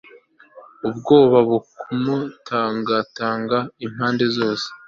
ubwoba bukamutangatanga impande zose